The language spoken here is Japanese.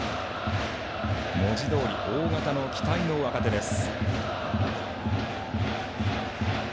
文字どおり大型の期待の若手です。